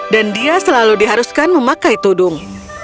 dan dia selalu diharuskan memakai tudung